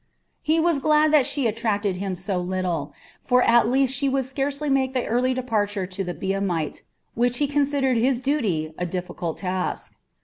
He was glad that she attracted him so little, for at least she would scarcely make the early departure to the Biamite, which he considered his duty, a difficult task.